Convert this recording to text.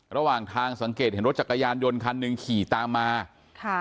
ระหว่างทางสังเกตเห็นรถจักรยานยนต์คันหนึ่งขี่ตามมาค่ะ